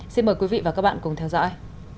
xin mời quý vị và các bạn cùng theo dõi